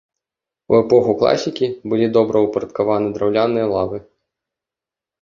У эпоху класікі былі добраўпарадкаваны драўляныя лавы.